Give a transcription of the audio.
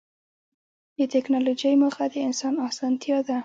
د ټکنالوجۍ موخه د انسان اسانتیا ده.